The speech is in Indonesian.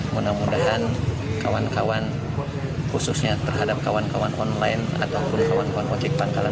mudah mudahan kawan kawan khususnya terhadap kawan kawan online ataupun kawan kawan ojek pangkalan